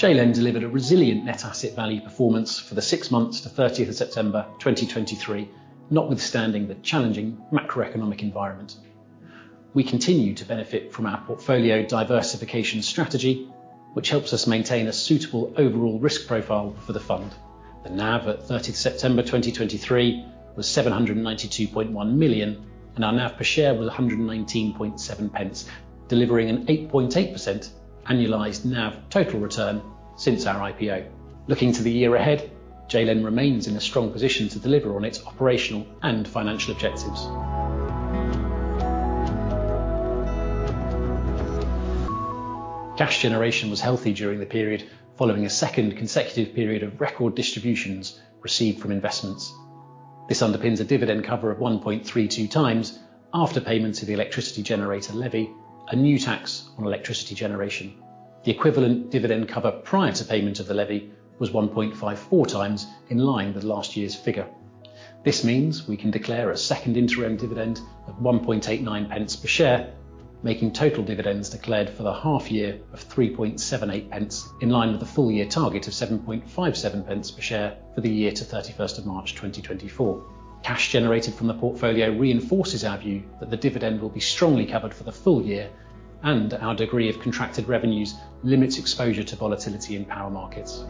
JLEN delivered a resilient net asset value performance for the six months to 30th September 2023, notwithstanding the challenging macroeconomic environment. We continue to benefit from our portfolio diversification strategy, which helps us maintain a suitable overall risk profile for the fund. The NAV at 30th September 2023 was 792.1 million, and our NAV per share was 119.7 pence, delivering an 8.8% annualized NAV total return since our IPO. Looking to the year ahead, JLEN remains in a strong position to deliver on its operational and financial objectives. Cash generation was healthy during the period, following a second consecutive period of record distributions received from investments. This underpins a dividend cover of 1.32 times after payment to the Electricity Generator Levy, a new tax on electricity generation. The equivalent dividend cover prior to payment of the levy was 1.54 times in line with last year's figure. This means we can declare a second interim dividend of 1.89 pence per share, making total dividends declared for the half year of 3.78 pence, in line with the full year target of 7.57 pence per share for the year to 31 March 2024. Cash generated from the portfolio reinforces our view that the dividend will be strongly covered for the full year, and our degree of contracted revenues limits exposure to volatility in power markets.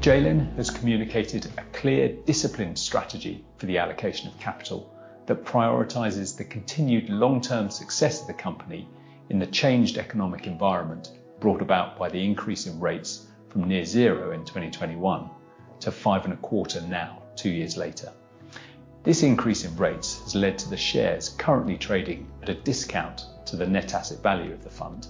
JLEN has communicated a clear, disciplined strategy for the allocation of capital that prioritizes the continued long-term success of the company in the changed economic environment, brought about by the increase in rates from near zero in 2021 to 5.25 now, 2 years later. This increase in rates has led to the shares currently trading at a discount to the net asset value of the fund,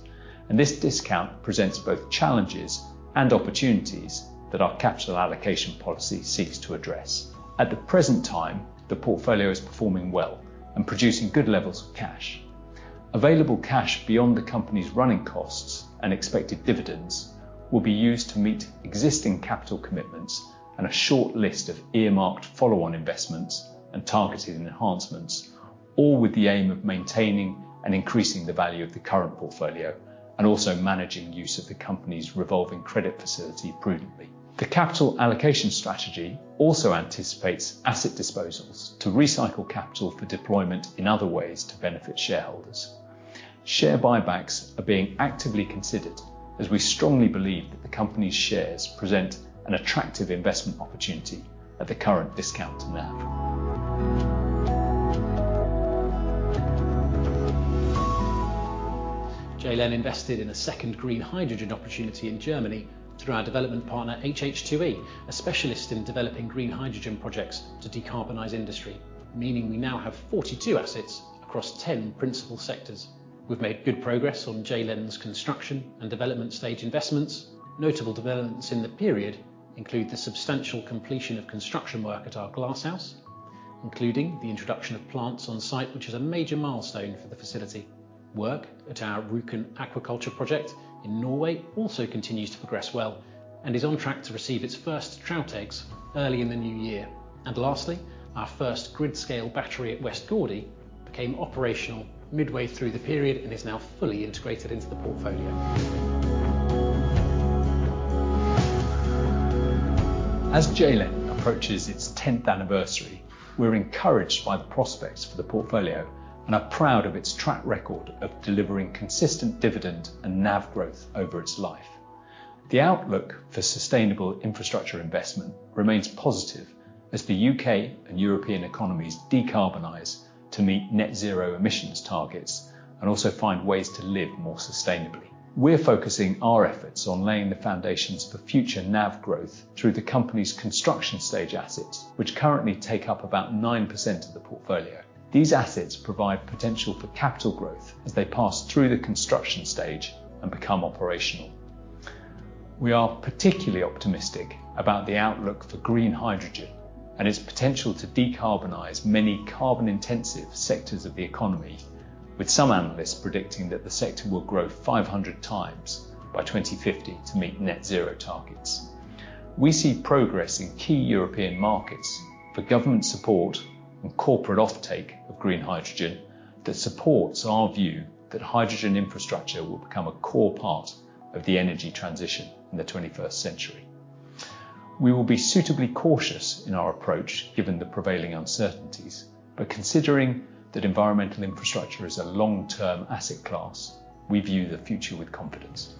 and this discount presents both challenges and opportunities that our capital allocation policy seeks to address. At the present time, the portfolio is performing well and producing good levels of cash. Available cash beyond the company's running costs and expected dividends will be used to meet existing capital commitments and a short list of earmarked follow-on investments and targeted enhancements, all with the aim of maintaining and increasing the value of the current portfolio and also managing use of the company's revolving credit facility prudently. The capital allocation strategy also anticipates asset disposals to recycle capital for deployment in other ways to benefit shareholders. Share buybacks are being actively considered, as we strongly believe that the company's shares present an attractive investment opportunity at the current discount to NAV. JLEN invested in a second green hydrogen opportunity in Germany through our development partner, HH2E, a specialist in developing green hydrogen projects to decarbonize industry, meaning we now have 42 assets across 10 principal sectors. We've made good progress on JLEN's construction and development stage investments. Notable developments in the period include the substantial completion of construction work at our glasshouse, including the introduction of plants on site, which is a major milestone for the facility. Work at our Rjukan aquaculture project in Norway also continues to progress well and is on track to receive its first trout eggs early in the new year. And lastly, our first grid-scale battery at West Gourdie became operational midway through the period and is now fully integrated into the portfolio. As JLEN approaches its tenth anniversary, we're encouraged by the prospects for the portfolio and are proud of its track record of delivering consistent dividend and NAV growth over its life. The outlook for sustainable infrastructure investment remains positive as the U.K. and European economies decarbonize to meet net zero emissions targets and also find ways to live more sustainably. We're focusing our efforts on laying the foundations for future NAV growth through the company's construction stage assets, which currently take up about 9% of the portfolio. These assets provide potential for capital growth as they pass through the construction stage and become operational. We are particularly optimistic about the outlook for green hydrogen and its potential to decarbonize many carbon-intensive sectors of the economy, with some analysts predicting that the sector will grow 500 times by 2050 to meet net zero targets. We see progress in key European markets for government support and corporate offtake of green hydrogen that supports our view that hydrogen infrastructure will become a core part of the energy transition in the 21st century. We will be suitably cautious in our approach, given the prevailing uncertainties. But considering that environmental infrastructure is a long-term asset class, we view the future with confidence.